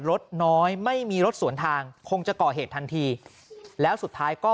รถน้อยไม่มีรถสวนทางคงจะก่อเหตุทันทีแล้วสุดท้ายก็